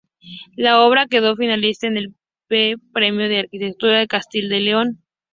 La obra quedó finalista en el V Premio de Arquitectura de Castilla y León.